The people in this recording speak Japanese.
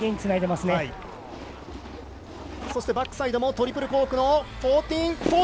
そしてバックサイドトリプルコーク１４４０。